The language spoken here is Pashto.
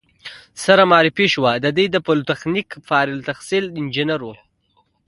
سره معرفي شوو، دی د پولتخنیک فارغ التحصیل انجینر و.